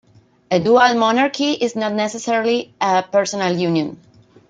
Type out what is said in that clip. A dual monarchy is not necessarily a personal union.